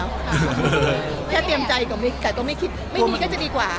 แค่เตรียมใจกับไม่คิดไม่ดีก็จะดีกว่า